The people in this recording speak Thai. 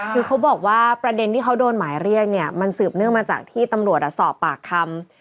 คือเขาบอกว่าประเด็นที่เขาโดนหมายเรียกเนี่ยมันสืบเนื่องมาจากที่ตำรวจสอบปากคำ